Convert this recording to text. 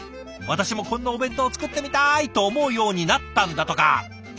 「私もこんなお弁当作ってみたい」と思うようになったんだとか。